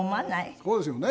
そうですよね。